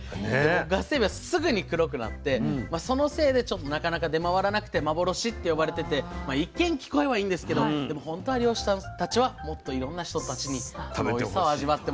ガスエビはすぐに黒くなってそのせいでなかなか出回らなくて幻って呼ばれてて一見聞こえはいいんですけどでも本当は漁師さんたちはもっといろんな人たちにこのおいしさを味わってもらいたいと。